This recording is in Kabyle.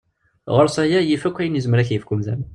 Ɣur-s aya yif akk ayen yezmer ad ak-yefk umdan.